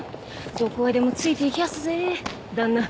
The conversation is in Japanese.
どこへでもついていきやすぜぇ旦那。